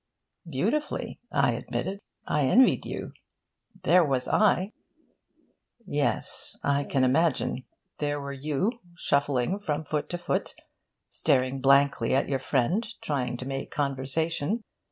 'Beautifully,' I admitted. 'I envied you. There was I ' 'Yes, I can imagine. There were you, shuffling from foot to foot, staring blankly at your friend, trying to make conversation.